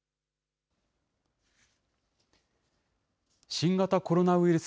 新型コロナウイルス